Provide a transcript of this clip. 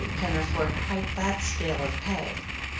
can aflford quite that scale of pay.